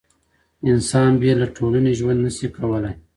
انسان بې له ټولني ژوند نسي کولای.